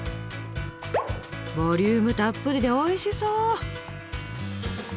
ボリュームたっぷりでおいしそう！